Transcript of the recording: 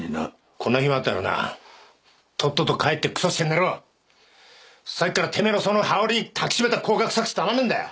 こんな暇あったらなとっとと帰ってくそして寝ろさっきからてめぇのその羽織たきしめた香が臭くてたまんねぇんだよ